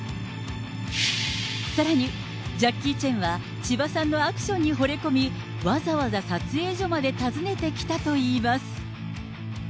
さらにジャッキー・チェンは、千葉さんのアクションにほれ込み、わざわざ撮影所まで訪ねてきたといいます。